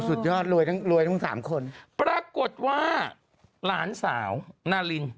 สุดยอดไม่ว่านี้รวยไม่รวยทั้งสามคนปรากฏว่าหลานสาวนาริน